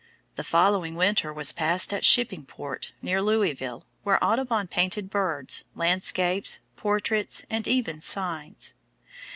The following winter was passed at Shipping Port, near Louisville, where Audubon painted birds, landscapes, portraits and even signs.